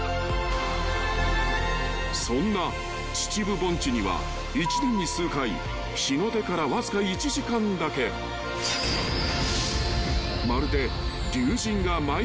［そんな秩父盆地には１年に数回日の出からわずか１時間だけまるで］